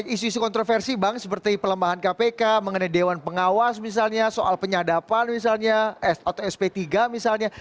isu isu kontroversi bang seperti pelemahan kpk mengenai dewan pengawas misalnya soal penyadapan misalnya atau sp tiga misalnya